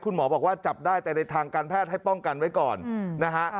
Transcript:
หมอบอกว่าจับได้แต่ในทางการแพทย์ให้ป้องกันไว้ก่อนนะฮะ